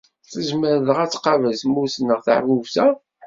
Tezmer dɣa ad tqabel tmurt-nneɣ taḥbubt-a?